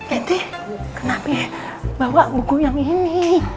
itu kenapa bawa buku yang ini